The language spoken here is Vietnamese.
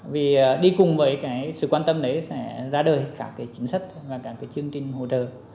vì đi cùng với sự quan tâm đấy sẽ ra đời các chính sách và các chương trình hỗ trợ